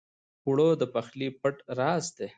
اوړه د پخلي پټ راز دی